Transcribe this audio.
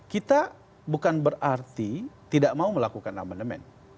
kita bukan berarti tidak mau melakukan amandemen